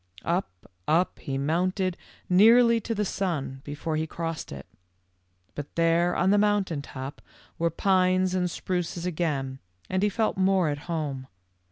" Up, up, he mounted nearly to the sun, be fore he crossed it. But there on the moun tain top were pines and spruces again, and he felt more at home.